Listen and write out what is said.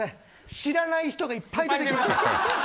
知らない人がいっぱい出てきます。